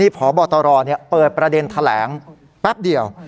พบตรเปิดประเด็นแถลงแป๊บเดียว